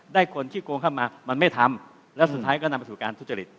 คนขี้โกงเข้ามามันไม่ทำแล้วสุดท้ายก็นำไปสู่การทุจริต